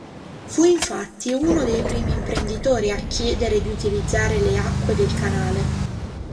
Fu infatti uno dei primi imprenditori a chiedere di utilizzare le acque del canale.